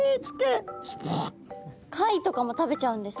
貝とかも食べちゃうんですね。